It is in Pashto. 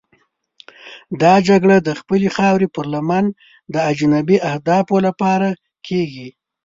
دا جګړه د خپلې خاورې پر لمن د اجنبي اهدافو لپاره کېږي.